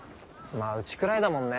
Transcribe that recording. まぁうちくらいだもんね